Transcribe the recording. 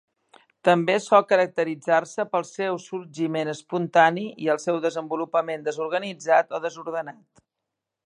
També sol caracteritzar-se pel seu sorgiment espontani i el seu desenvolupament desorganitzat o desordenat.